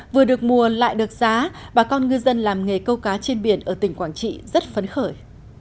vừa được mùa lại được giá bà con ngư dân làm nghề câu cá trên biển ở tỉnh quảng trị rất phấn khởi